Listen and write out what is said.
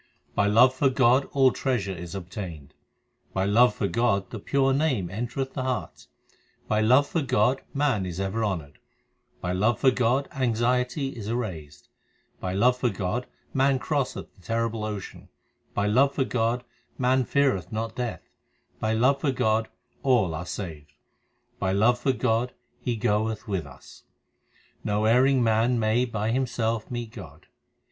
By love for God all treasure is obtained, By love for God the pure Name entereth the heart, By love for God man is ever honoured, By love for God anxiety is erased, By love for God man crosseth the terrible ocean, By love for God man feareth not Death, By love for God all are saved, By love for God He goeth with us. No erring man may by himself meet God.